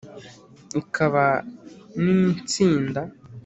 Ikaba n'i Ntsinda;